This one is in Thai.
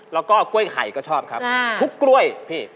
แล้วก็กล้วยไข่ก็ชอบครับทุกกล้วยพี่